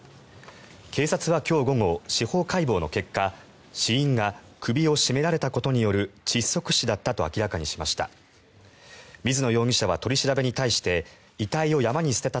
警察は今日午後、司法解剖の結果死因が首を絞められたことによる窒息死だったと明らかにしました。